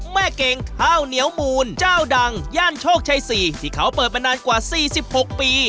แม่เก่งข้าวเหนียวมูลเจ้าดังย่านโชคชัย๔ที่เขาเปิดมานานกว่า๔๖ปี